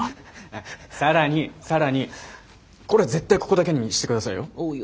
更に更にこれ絶対ここだけにして下さいよ。